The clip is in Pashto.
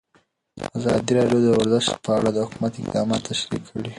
ازادي راډیو د ورزش په اړه د حکومت اقدامات تشریح کړي.